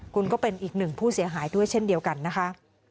คุณก็เป็นอีกหนึ่งผู้เสียหายด้วยเช่นเดียวกันนะคะ